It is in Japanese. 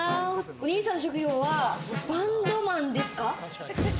お兄さんの職業はバンドマンです